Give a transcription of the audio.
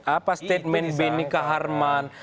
apa statement benika harman